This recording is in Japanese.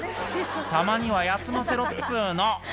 「たまには休ませろっつうの」